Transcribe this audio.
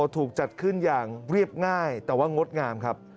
ถูกจัดขึ้นอย่างเรียบง่ายแต่ว่างดงามครับ